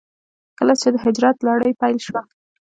کله چې د هجرت لړۍ پيل شوه.